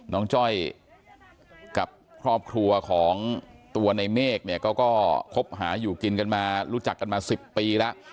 จ้อยกับครอบครัวของตัวในเมฆเนี่ยเขาก็คบหาอยู่กินกันมารู้จักกันมา๑๐ปีแล้ว